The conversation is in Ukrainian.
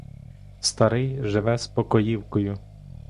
Старий живе з покоївкою.